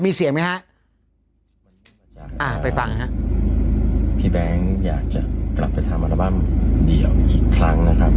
มีเสียงไหมฮะอ่าไปฟังฮะพี่แบงค์อยากจะกลับไปทำอัลบั้มเดียวอีกครั้งนะครับ